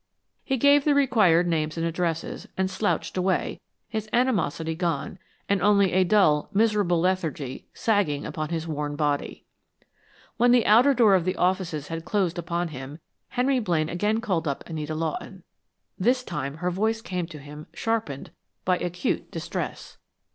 He gave the required names and addresses, and slouched away, his animosity gone, and only a dull, miserable lethargy sagging upon his worn body. When the outer door of the offices had closed upon him, Henry Blaine again called up Anita Lawton. This time her voice came to him sharpened by acute distress.